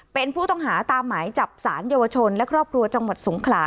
เป็นผู้ต้องหาตามหมายจับสารเยาวชนและครอบครัวจังหวัดสงขลา